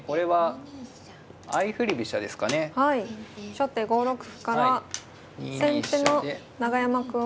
初手５六歩から先手の永山くんは。